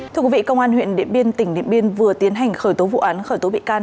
thưa quý vị công an huyện điện biên tỉnh điện biên vừa tiến hành khởi tố vụ án khởi tố bị can